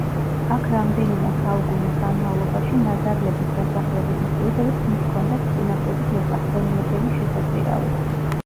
აქ რამდენიმა საუკუნის განმავლობაში ნაზარლების დასახლების მკვიდრთ მიჰქონდათ წინაპრების მოსახსენიებელი შესაწირავი.